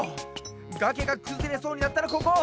がけがくずれそうになったらここ！